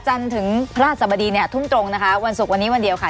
จันทร์ถึงพระราชสมดีเนี่ยทุ่มตรงนะคะวันศุกร์วันนี้วันเดียวค่ะ